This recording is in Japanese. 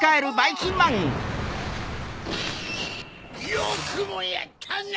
よくもやったな！